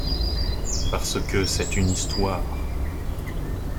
Parce que c'est une histoire.